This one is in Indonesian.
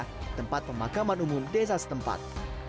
di tempat pemakaman umum desa setempat